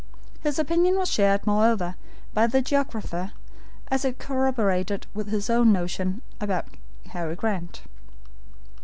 His opinion was shared, moreover, by the geographer, as it corroborated his own notion about Harry Grant.